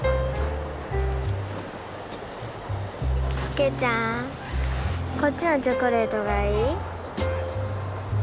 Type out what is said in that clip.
啓ちゃんこっちのチョコレートがいい？